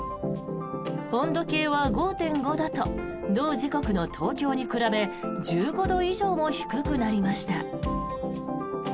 温度計は５．５度と同時刻の東京に比べ１５度以上も低くなりました。